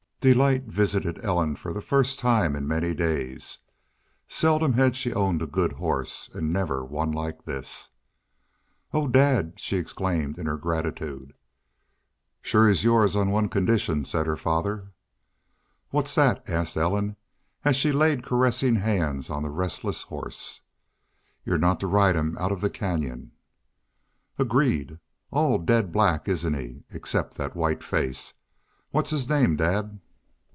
Delight visited Ellen for the first time in many days. Seldom had she owned a good horse, and never one like this. "Oh, dad!" she exclaimed, in her gratitude. "Shore he's yours on one condition," said her father. "What's that?" asked Ellen, as she laid caressing hands on the restless horse. "You're not to ride him out of the canyon." "Agreed.... All daid black, isn't he, except that white face? What's his name, dad?